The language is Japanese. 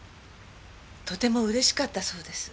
とてもうれしかったそうです。